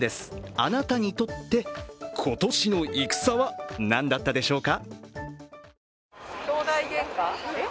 あなたにとって、今年の「戦」はなんだったでしょうか？